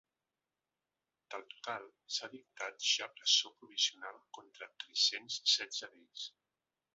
Del total, s’ha dictat ja presó provisional contra tres-cents setze d’ells.